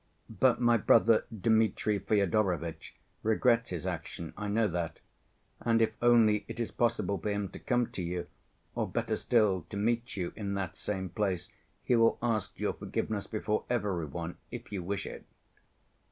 "But my brother Dmitri Fyodorovitch regrets his action, I know that, and if only it is possible for him to come to you, or better still, to meet you in that same place, he will ask your forgiveness before every one—if you wish it."